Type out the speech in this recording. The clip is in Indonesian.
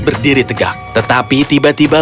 berdiri tegak tetapi tiba tiba